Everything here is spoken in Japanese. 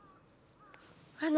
あの。